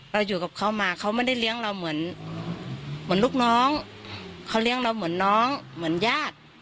เราอยู่กับเขามาเขาไม่ได้เลี้ยงเราเหมือนเหมือนลูกน้องเขาเลี้ยงเราเหมือนน้องเหมือนญาติ